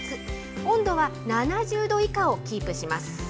温度は７０度以下をキープします。